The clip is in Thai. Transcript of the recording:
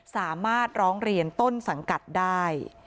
สามารถร้องเรียนต้นสังกัดได้